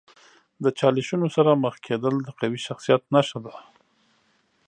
د چالشونو سره مخ کیدل د قوي شخصیت نښه ده.